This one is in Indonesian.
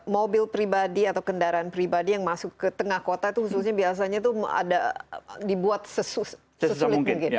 mobil pribadi atau kendaraan pribadi yang masuk ke tengah kota itu khususnya biasanya itu ada dibuat sesulit mungkin